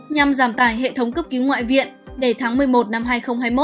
nhằm giảm tài hệ thống cấp cứu ngoại viện để tháng một mươi một năm hai nghìn hai mươi một